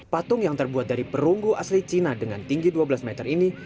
patung yang terbuat dari perunggu asli cina dengan tinggi dua belas meter ini